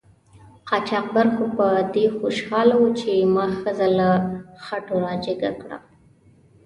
قاچاقبر خو په دې خوشحاله و چې ما ښځه له خټو را جګه کړه.